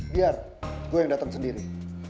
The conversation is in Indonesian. biar gue yang datang sendiri